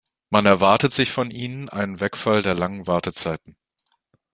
Man erwartet sich von ihnen einen Wegfall der langen Wartezeiten.